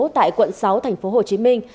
tại quận sáu thành phố hồ chí minh